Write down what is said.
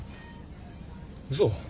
嘘。